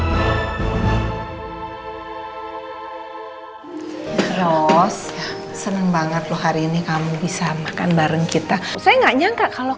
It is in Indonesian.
hai hai hai rose seneng banget loh hari ini kamu bisa makan bareng kita saya nggak nyangka kalau